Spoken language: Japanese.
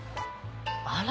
あら。